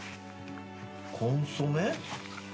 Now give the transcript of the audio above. コンソメ？